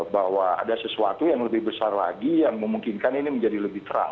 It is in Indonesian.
bahwa ada sesuatu yang lebih besar lagi yang memungkinkan ini menjadi lebih terang